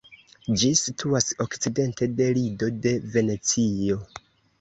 Ĝi situas okcidente de Lido de Venecio.